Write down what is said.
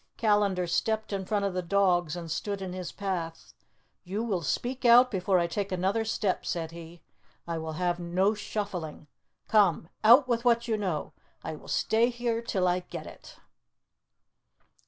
Callandar stepped in front of the dogs, and stood in his path. "You will speak out before I take another step," said he. "I will have no shuffling. Come, out with what you know! I will stay here till I get it."